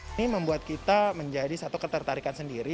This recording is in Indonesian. ini membuat kita menjadi satu ketertarikan sendiri